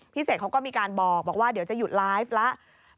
เสกเขาก็มีการบอกว่าเดี๋ยวจะหยุดไลฟ์แล้ว